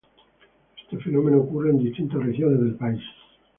Este fenómeno ocurre en distintas regiones del país.